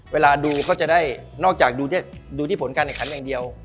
เวลาดูก็จะได้นอกจากดูที่ผลการแข่งขันอย่างเดียว